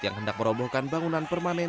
yang hendak merobohkan bangunan permanen